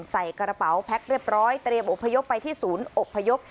ใส่กระเป๋าแพ็คเรียบร้อยเตรียมอบพยพไปที่ศูนย์อบพยพ